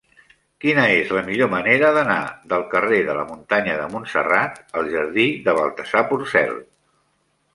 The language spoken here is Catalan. Quina és la millor manera d'anar del carrer de la Muntanya de Montserrat al jardí de Baltasar Porcel?